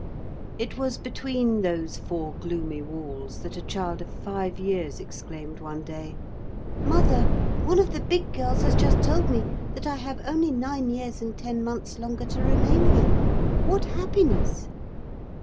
It was between those four gloomy walls that a child of five years exclaimed one day: "Mother! one of the big girls has just told me that I have only nine years and ten months longer to remain here. What happiness!"